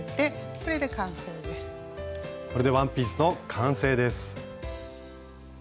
これでワンピースの完成です。